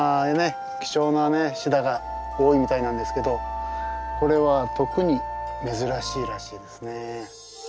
貴重なシダが多いみたいなんですけどこれは特に珍しいらしいですね。